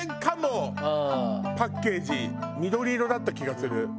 パッケージ緑色だった気がする。